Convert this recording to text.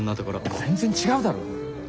全然違うだろ！